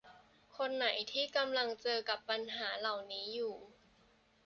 คนไหนที่กำลังเจอกับปัญหาเหล่านี้อยู่